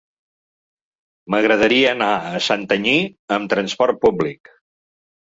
M'agradaria anar a Santanyí amb transport públic.